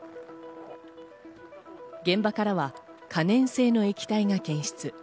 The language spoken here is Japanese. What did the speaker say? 現場からは可燃性の液体が検出。